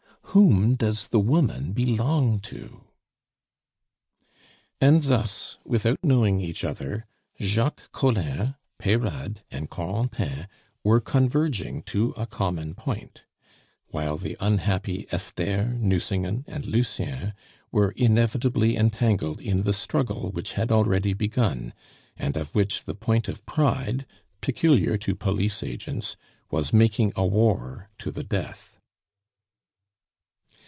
Whom does the woman belong to?" And thus, without knowing each other, Jacques Collin, Peyrade, and Corentin were converging to a common point; while the unhappy Esther, Nucingen, and Lucien were inevitably entangled in the struggle which had already begun, and of which the point of pride, peculiar to police agents, was making a war to the death.